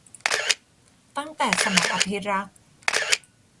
ตั้งแต่สมัยอภิรักษ์